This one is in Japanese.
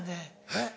えっ？